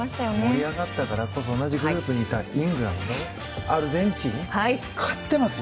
盛り上がったからこそ同じグループにいたイングランド、アルゼンチン勝ってますよ。